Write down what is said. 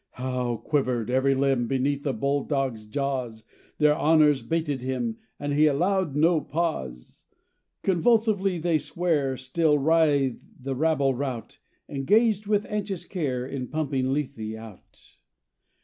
"How quivered every limb Beneath the bull dog's jaws Their honors baited him, And he allowed no pause. "Convulsively they swear, Still writhe the rabble rout, Engaged with anxious care In pumping Lethe out."